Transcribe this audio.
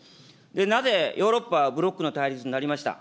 なぜヨーロッパはブロックの対立になりました。